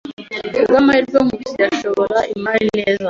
Ku bw'amahirwe, Nkusi yashora imari neza.